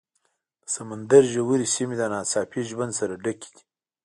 د سمندر ژورې سیمې د ناڅاپي ژوند سره ډکې دي.